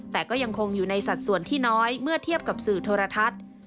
แต่ก็ยังคงอยู่ในสัดส่วนที่น้อยเมื่อเทียบกับสื่อโทรทัศน์